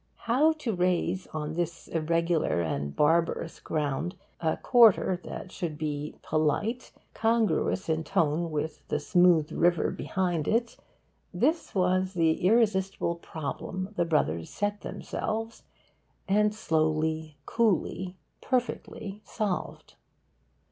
How to raise on this irregular and 'barbarous' ground a quarter that should be 'polite', congruous in tone with the smooth river beyond it this was the irresistible problem the Brothers set themselves and slowly, coolly, perfectly solved.